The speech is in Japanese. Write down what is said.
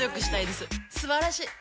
すばらしい！